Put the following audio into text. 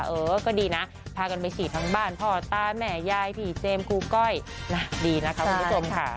เออก็ดีนะพากันไปฉีดทั้งบ้านพ่อตาแม่ยายพี่เจมส์ครูก้อยนะดีนะคะคุณผู้ชมค่ะ